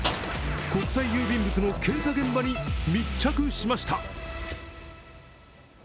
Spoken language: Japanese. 国際郵便物の検査現場に密着しました。